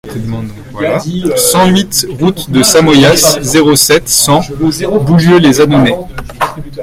cent huit route de Samoyas, zéro sept, cent, Boulieu-lès-Annonay